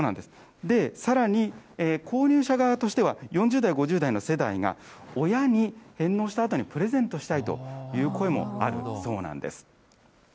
さらに、購入者側としては、４０代、５０代の世代が、親に返納したあとにプレゼントしたいという声もあるそうなんです。